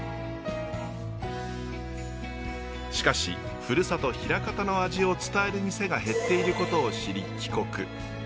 しかしふるさと枚方の味を伝える店が減っていることを知り帰国。